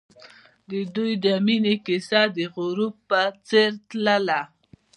د دوی د مینې کیسه د غروب په څېر تلله.